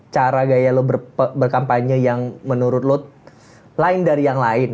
cara gaya lo berkampanye yang menurut lo lain dari yang lain